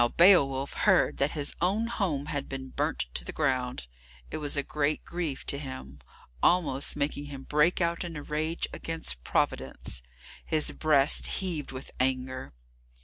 Now Beowulf heard that his own home had been burnt to the ground. It was a great grief to him, almost making him break out in a rage against Providence. His breast heaved with anger.